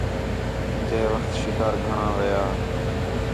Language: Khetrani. جَئے وخت شِکار گھݨاں ویھا